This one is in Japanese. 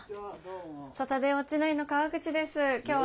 サタデーウオッチ９の川口です。